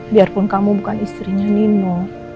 biarpun kamu bukan istrinya nino